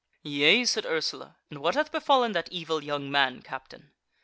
"Yea," said Ursula, "and what hath befallen that evil young man, Captain?"